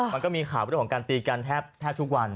มันก็มีข่าวเรื่องของการตีกันแทบทุกวัน